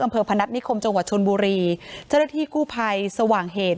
อำเวิยพนัทนิคมจังหวัดชนบุรีเจฬที่คู่ไพรสว่างเหตุ